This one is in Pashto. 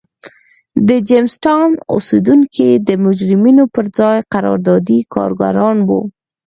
د جېمز ټاون اوسېدونکي د مجرمینو پر ځای قراردادي کارګران وو.